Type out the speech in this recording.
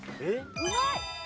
うまい！